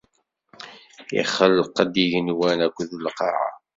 Ixelq-d igenwan akked lqaɛa.